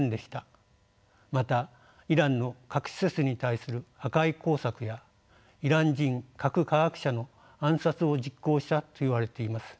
またイランの核施設に対する破壊工作やイラン人核科学者の暗殺を実行したといわれています。